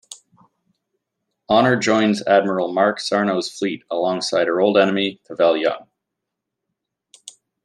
Honor joins Admiral Mark Sarnow's fleet alongside her old enemy, Pavel Young.